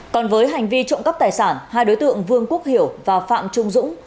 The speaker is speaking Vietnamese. còn với hành vi trộm cắp tài sản hai đối tượng vương quốc hiểu và phạm trung dũng